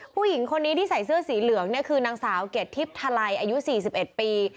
ผู้หญิงคนนี้ที่ใส่เสื้อสีเหลืองเนี่ยคือนางสาวเกรดทิพย์ทะลัยอายุ๔๑ปี